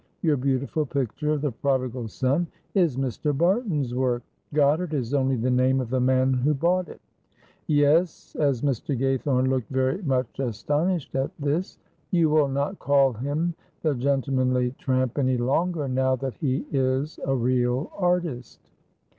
Your beautiful picture of the Prodigal Son is Mr. Barton's work. Goddard is only the name of the man who bought it. Yes," as Mr. Gaythorne looked very much astonished at this. "You will not call him the gentlemanly tramp any longer, now that he is a real artist."